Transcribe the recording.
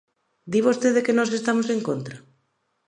Di vostede que nós estamos en contra.